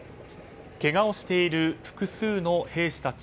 けがをしている複数の兵士たち。